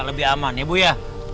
lebih aman ya bu ya